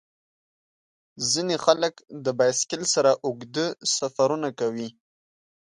ځینې خلک د بایسکل سره اوږده سفرونه کوي.